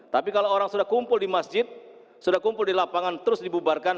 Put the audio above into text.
tapi kalau orang sudah kumpul di masjid sudah kumpul di lapangan terus dibubarkan